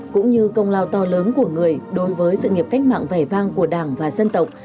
cũng như công lao to lớn của người đối với sự nghiệp cách mạng vẻ vang của đảng và dân tộc